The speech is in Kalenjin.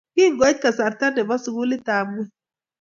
Kingoit kasarta nebo sukulitap ngweny